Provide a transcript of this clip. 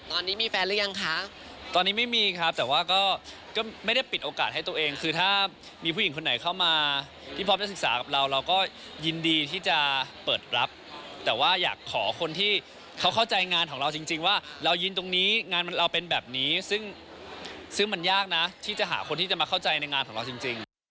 ตอนนี้มีแฟนหรือยังคะตอนนี้ไม่มีครับแต่ว่าก็ไม่ได้ปิดโอกาสให้ตัวเองคือถ้ามีผู้หญิงคนไหนเข้ามาที่พร้อมจะศึกษากับเราเราก็ยินดีที่จะเปิดรับแต่ว่าอยากขอคนที่เขาเข้าใจงานของเราจริงว่าเรายินตรงนี้งานเราเป็นแบบนี้ซึ่งมันยากนะที่จะหาคนที่จะมาเข้าใจในงานของเราจริง